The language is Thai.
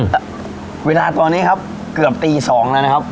แต่เวลาตอนนี้ครับเกือบตี๒แล้วนะครับ